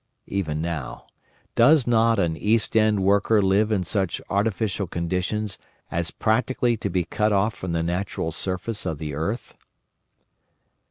Even now, does not an East end worker live in such artificial conditions as practically to be cut off from the natural surface of the earth?